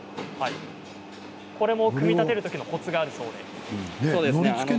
これも組み立てるときのコツがあるそうですね。